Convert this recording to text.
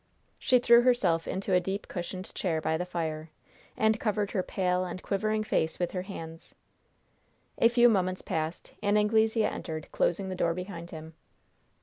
She threw herself into a deep cushioned chair by the fire, and covered her pale and quivering face with her hands. A few moments passed, and Anglesea entered, closing the door behind him.